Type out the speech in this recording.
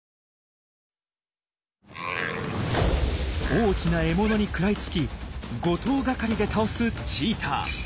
大きな獲物に食らいつき５頭がかりで倒すチーター。